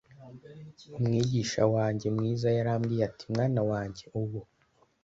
Umwigisha wanjye mwiza yarambwiye ati Mwana wanjye ubu